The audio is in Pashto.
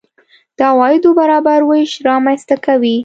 د عوایدو برابر وېش رامنځته کوي.